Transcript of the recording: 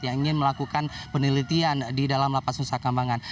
yang ingin melakukan penelitian di dalam lapas nusa kambangan